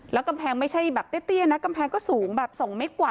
แล้วกำแพงไม่ใช่แบบเตี้ยนะกำแพงก็สูงแบบ๒เมตรกว่า